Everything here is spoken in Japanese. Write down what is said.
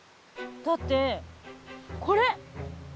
だってこれ。